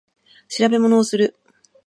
調べ物をする